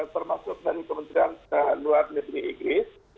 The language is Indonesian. termasuk dari kementerian luar negeri inggris